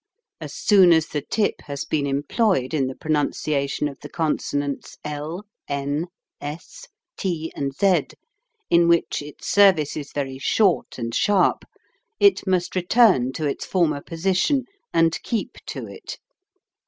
As soon as the tip has been employed in the pronunciation of the consonants Z, n, s, t, and z, in which its service is very short and sharp, it must return to its former position, and keep to it.